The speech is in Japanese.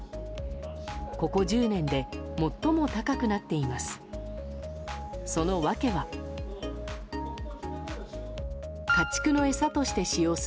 ここ１０年で最も高くなっています。